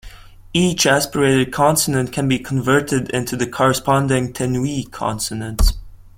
Each aspirated consonant can be converted into the corresponding tenuis consonant.